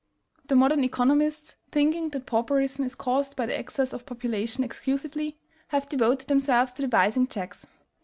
The modern economists thinking that pauperism is caused by the excess of population, exclusively have devoted themselves to devising checks.